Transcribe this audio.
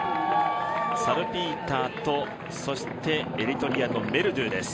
サルピーターと、そしてエリトリアのメルドゥです。